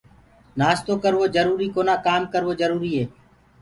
نآستو ڪروو جروُري ڪونآ ڪآم ڪروو جَروُري هي۔